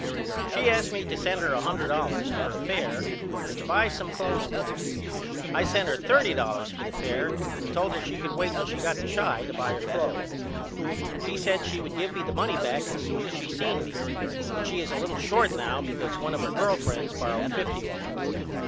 She asked me to send her a hundred dollars for her fare and to buy some cloths with. I sent her thirty dollars for the fare and told her she could wait till she got to Chi to buy her cloths. She said she would give me the money back as soon as she seen me but she is a little short now because one of her girl friends borrowed fifty off of her.